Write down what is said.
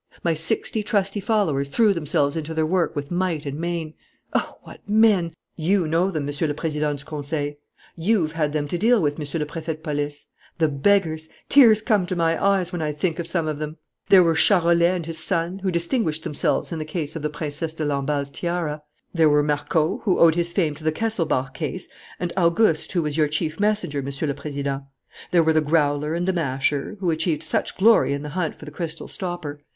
"My sixty trusty followers threw themselves into their work with might and main. Oh, what men! You know them, Monsieur le Président du Conseil! You've had them to deal with, Monsieur le Préfet de Police! The beggars! Tears come to my eyes when I think of some of them. "There were Charolais and his son, who distinguished themselves in the case of the Princesse de Lamballe's tiara. There were Marco, who owed his fame to the Kesselbach case, and Auguste, who was your chief messenger, Monsieur le Président. There were the Growler and the Masher, who achieved such glory in the hunt for the crystal stopper.